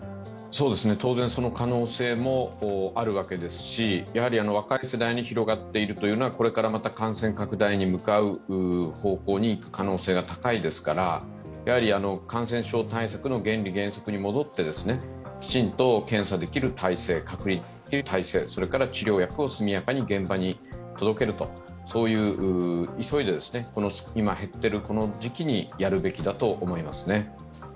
当然その可能性もあるわけですし、若い世代に広がっているというのはこれからまた感染拡大に向かう方向にいく可能性が高いですから感染症対策の原理・原則に戻ってきちんと検査できる体制、治療薬を速やかに現場に届けるそういう急いで今、減っているこの時期にやるべきだと思います。